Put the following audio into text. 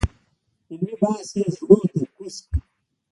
علمي بحث یې زړونو ته کوز کړی.